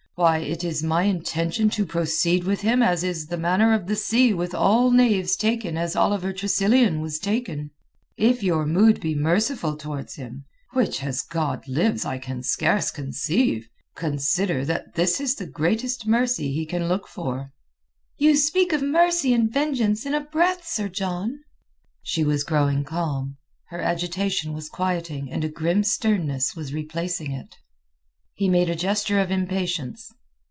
Why, it is my intention to proceed with him as is the manner of the sea with all knaves taken as Oliver Tressilian was taken. If your mood be merciful towards him—which as God lives, I can scarce conceive—consider that this is the greatest mercy he can look for." "You speak of mercy and vengeance in a breath, Sir John." She was growing calm, her agitation was quieting and a grim sternness was replacing it. He made a gesture of impatience.